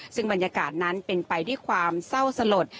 ซึ่งบรรยากาศนั้นเป็นไปด้วยความเศร้าสลด